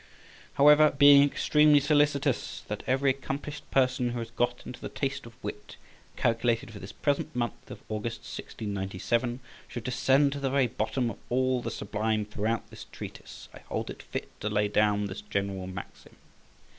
However, being extremely solicitous that every accomplished person who has got into the taste of wit calculated for this present month of August 1697 should descend to the very bottom of all the sublime throughout this treatise, I hold it fit to lay down this general maxim.